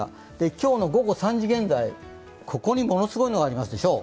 今日の午後３時現在、ここにものすごいのがありますでしょう？